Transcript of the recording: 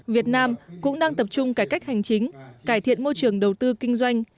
việt nam cũng đang tập trung cải cách hành chính cải thiện môi trường đầu tư kinh doanh